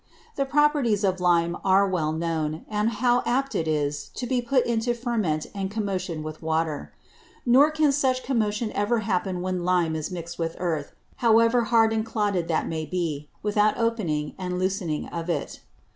The Properties of Lime are well known; and how apt 'tis to be put into Ferment and Commotion by Water. Nor can such Commotion ever happen when Lime is mix'd with Earth, however hard and clodded that may be, without opening and loosening of it.